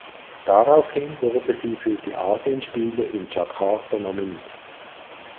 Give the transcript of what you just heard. Daraufhin wurde sie für die Asienspiele in Jakarta nominiert.